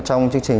trong chương trình